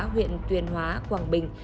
huyện tuyền hóa quảng bình